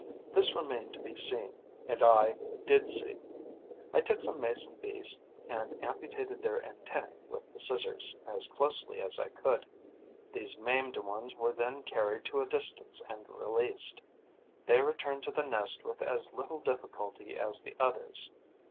This remained to be seen; and I did see. I took some Mason bees and amputated their antennae with the scissors, as closely as I could. These maimed ones were then carried to a distance and released. They returned to the nest with as little difficulty as the others.